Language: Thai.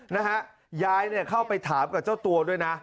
นะฮะยายเนี่ยเข้าไปถามกับเจ้าตัวด้วยนะ